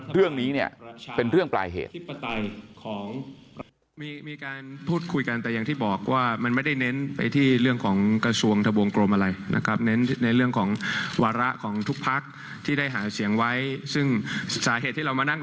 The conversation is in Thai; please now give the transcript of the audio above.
เรื่องนี้เนี่ยเป็นเรื่องปลายเหตุ